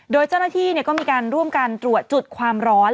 โดยเจ้าหน้าที่ก็มีการร่วมกันตรวจจุดความร้อน